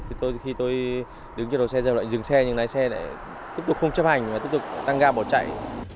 khi tôi đứng trên đồ xe rồi lại dừng xe nhưng lái xe lại tiếp tục không chấp hành và tiếp tục tăng ga bỏ chạy